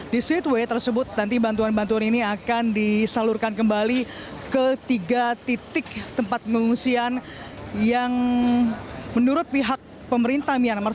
di streetway tersebut nanti bantuan bantuan ini akan disalurkan kembali ke tiga titik tempat pengungsian yang menurut pihak pemerintah myanmar